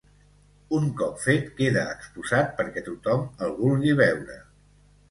Un cop fet, queda exposat perquè tothom el vulgui veure.